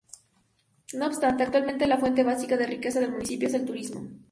No obstante, actualmente la fuente básica de riqueza del municipio es el turismo.